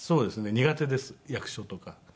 苦手です役所とか。